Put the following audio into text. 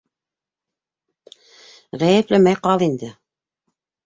- Ғәйепләмәй ҡал инде.